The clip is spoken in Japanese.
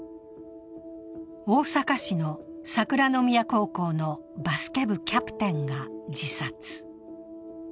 大阪市の桜宮高校のバスケ部キャプテンが自殺。